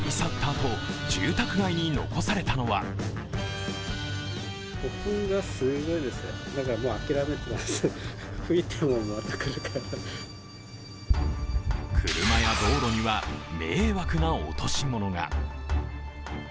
あと住宅街に残されたのは車や道路には迷惑な落とし物が。